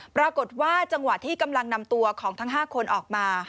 ปรากฏว่าจังหวะที่กำลังนำตัวของทั้ง๕คนออกมา